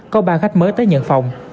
có ba khách mới tới nhận phòng